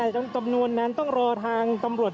คุณภูริพัฒน์ครับ